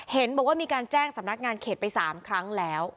เห็นบอกว่ามีการแจ้งสำนักงานเขตไป๓ครั้งแล้ว